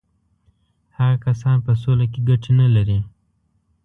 هغه کسان په سوله کې ګټې نه لري.